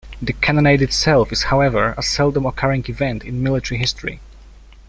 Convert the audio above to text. The cannonade itself is however a seldom occurring event in military history.